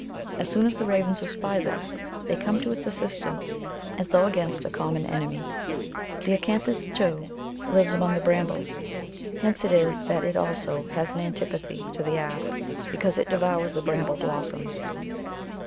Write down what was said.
As soon as the ravens espy this, they come to its assistance, as though against a common enemy. The acauthis, too, lives among the brambles ; hence it is that it also has an antipathy to the ass, because it devours the bramble blossoms.